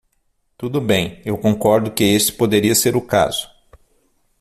Tudo bem, eu concordo que este poderia ser o caso.